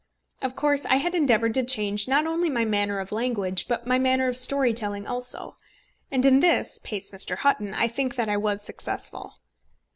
Of course I had endeavoured to change not only my manner of language, but my manner of story telling also; and in this, pace Mr. Hutton, I think that I was successful.